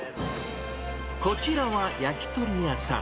こちらは焼き鳥屋さん。